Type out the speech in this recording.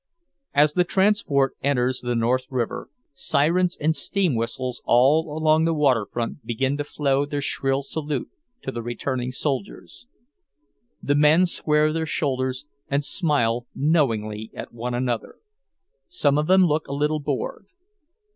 As the transport enters the North River, sirens and steam whistles all along the water front begin to blow their shrill salute to the returning soldiers. The men square their shoulders and smile knowingly at one another; some of them look a little bored.